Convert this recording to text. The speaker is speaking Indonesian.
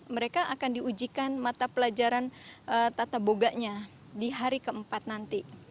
mereka akan diujikan mata pelajaran tata boganya di hari keempat nanti